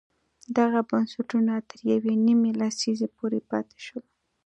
دغه بنسټونه تر یوې نیمې لسیزې پورې پاتې شول.